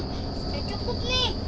sudah cukup nih